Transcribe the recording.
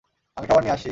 আমি খাবার নিয়ে আসছি।